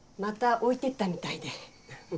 置いてったみたいで。